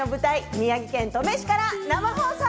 宮城県登米市から生放送。